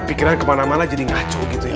pikiran kemana mana jadi ngaco gitu ya